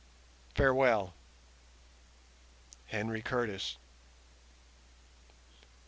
Farewell. HENRY CURTIS.